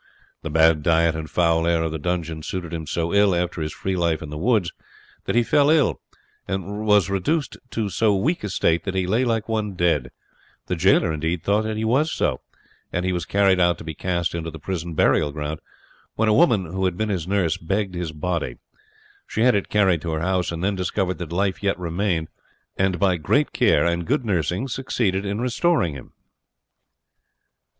The bad diet and foul air of the dungeon suited him so ill, after his free life in the woods, that he fell ill, and was reduced to so weak a state that he lay like one dead the jailer indeed thought that he was so, and he was carried out to be cast into the prison burial ground, when a woman, who had been his nurse, begged his body. She had it carried to her house, and then discovered that life yet remained, and by great care and good nursing succeeded in restoring him.